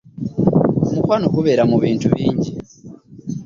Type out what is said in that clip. Omukwano gubeera mu bintu bingi.